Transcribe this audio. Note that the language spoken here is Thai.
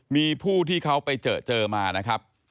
มีผู้ที่เขาไปเจอเจอมานะครับ